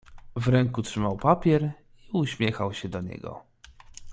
"W ręku trzymał papier i uśmiechał się do niego."